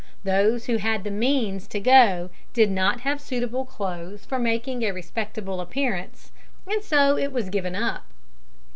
Those who had the means to go did not have suitable clothes for making a respectable appearance, and so it was given up.